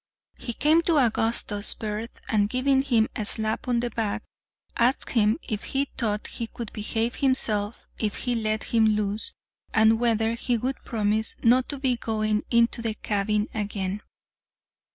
He came to Augustus's berth, and, giving him a slap on the back, asked him if he thought he could behave himself if he let him loose, and whether he would promise not to be going into the cabin again.